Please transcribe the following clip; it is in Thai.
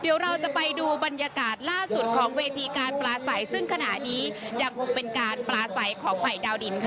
เดี๋ยวเราจะไปดูบรรยากาศล่าสุดของเวทีการปลาใสซึ่งขณะนี้ยังคงเป็นการปลาใสของภัยดาวดินค่ะ